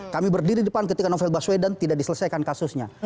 kami berdiri depan ketika novel baswedan tidak diselesaikan kasusnya